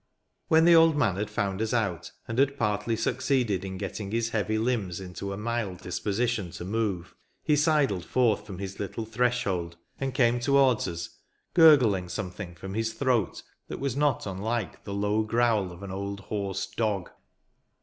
When the old man had found us out, and had partly succeeded in getting his heavy limbs into a mild disposi tion to move, he sidled forth from his little threshold, and came towards us, gurgling something from his throat that was not unlike the low growl of an old hoarse dog.